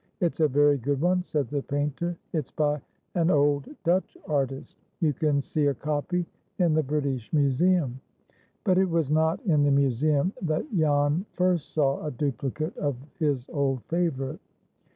"It's a very good one," said the painter. "It's by an old Dutch artist. You can see a copy in the British Museum." But it was not in the Museum that Jan first saw a duplicate of his old favorite.